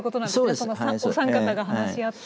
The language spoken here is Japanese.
そのお三方が話し合った。